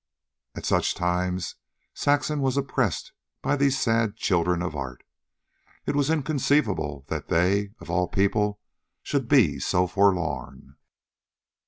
At such times Saxon was oppressed by these sad children of art. It was inconceivable that they, of all people, should be so forlorn.